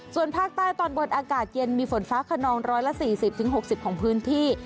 ส่วนภาคใต้ตอนบนอากาศเย็นมีฝนฟ้าขนอง๑๔๐๖๐ของพื้นที่